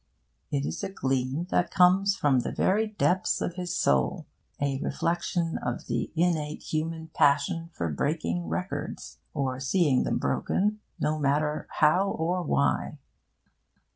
It is a gleam that comes from the very depths of his soul a reflection of the innate human passion for breaking records, or seeing them broken, no matter how or why.